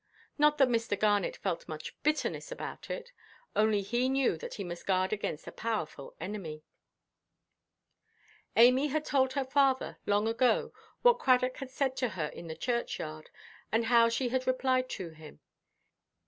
Not that Mr. Garnet felt much bitterness about it; only he knew that he must guard against a powerful enemy. Amy had told her father, long ago, what Cradock had said to her in the churchyard, and how she had replied to him.